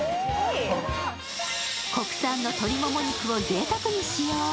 国産の鶏もも肉をぜいたくに使用。